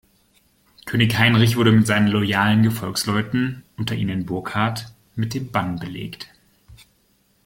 König Heinrich wurde mit seinen loyalen Gefolgsleuten, unter ihnen Burkhard, mit dem Bann belegt.